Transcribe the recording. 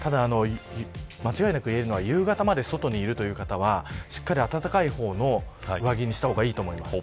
間違いなく言えるのは夕方まで外にいる方は温かい方の上着にした方がいいと思います。